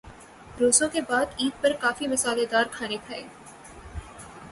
روزوں کے بعد عید پر کافی مصالحہ دار کھانے کھائے۔